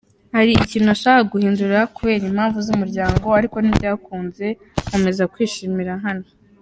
"Hari ikintu nashakaga guhindura kubera impamvu z'umuryango ariko ntibyakunze, nkomeza kwishimira hano.